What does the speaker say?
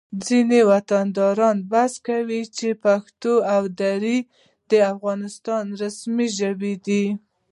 ځینې وطنداران بحث کوي چې پښتو او دري د افغانستان رسمي ژبې دي